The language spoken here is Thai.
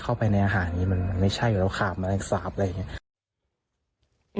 เข้าไปในอาหารนี้มันไม่ใช่อยู่แล้วค่ะมันอักษาบอะไรอย่างนี้